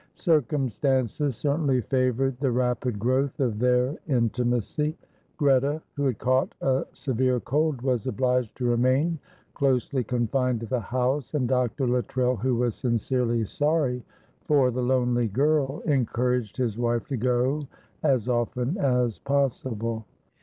Circumstances certainly favoured the rapid growth of their intimacy. Greta, who had caught a severe cold, was obliged to remain closely confined to the house, and Dr. Luttrell, who was sincerely sorry for the lonely girl, encouraged his wife to go as often as possible.